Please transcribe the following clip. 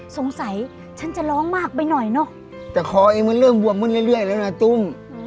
สงสัยฉันจะร้องมากไปหน่อยเนอะแต่คอเองมันเริ่มบวมขึ้นเรื่อยแล้วนะตุ้ม